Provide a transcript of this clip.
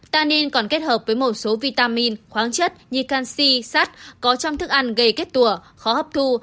tanin còn kết hợp với một số vitamin khoáng chất như canxi sắt có trong thức ăn gây kết tùa khó hấp thu